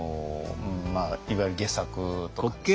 いわゆる戯作とかですね。